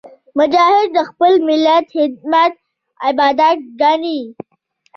مجاهد د خپل ملت خدمت عبادت ګڼي.